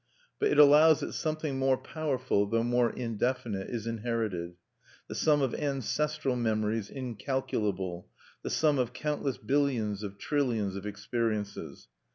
But it allows that something more powerful, though more indefinite, is inherited, the sum of ancestral memories incalculable, the sum of countless billions of trillions of experiences.